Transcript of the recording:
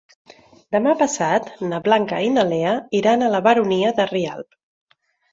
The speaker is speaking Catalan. Demà passat na Blanca i na Lea iran a la Baronia de Rialb.